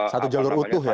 satu jalur utuh ya